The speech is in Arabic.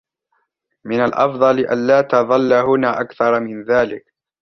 من الأفضل ألا تظل هنا أكثر من ذلك.